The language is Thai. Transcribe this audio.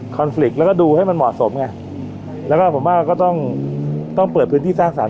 ฟริกต์แล้วก็ดูให้มันเหมาะสมไงแล้วก็ผมว่าก็ต้องต้องเปิดพื้นที่สร้างสรรค